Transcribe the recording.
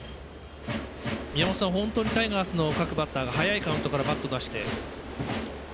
タイガースの各バッターが早いカウントからバットを出して。